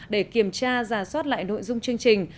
để kiểm tra giả soát lại nội dung chương trình